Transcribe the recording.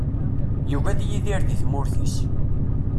Yugi ad yidir deg tmurt-is.